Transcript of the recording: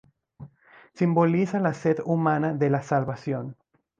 Simboliza la sed humana de la salvación.